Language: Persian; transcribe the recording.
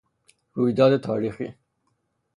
رویداد تاریخی